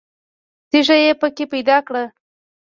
تیږه یې په کې پیدا کړه.